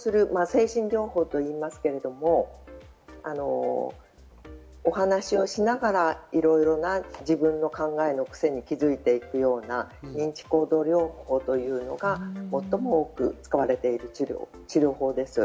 精神療法といいますけれども、お話をしながら、いろいろな自分の考えの癖に気づいていくような認知行動療法とかが最も多く使われている治療法です。